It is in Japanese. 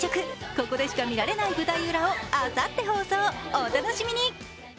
ここでしか見られない舞台裏をあさって放送、お楽しみに！